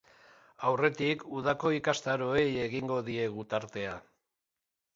Aurretik, udako ikastaroei egingo diegu tartea.